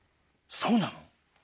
そうなの？